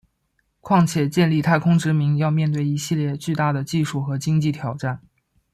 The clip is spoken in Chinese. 况且建立太空殖民要面对一系列巨大的技术和经济挑战。